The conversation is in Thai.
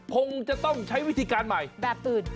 คงจะต้องใช้วิธีการใหม่